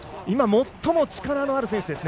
今最も力のある選手。